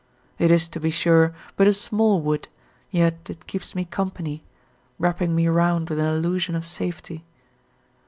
It is, to be sure, but a small wood, yet it keeps me company, wrapping me round with an illusion of safety.